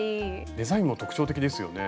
デザインも特徴的ですよね。